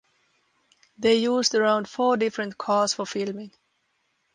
They used around four different cars for filming.